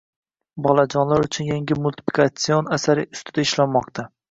Bolajonlar uchun yangi multiplikatsion asar ustida ishlanmoqda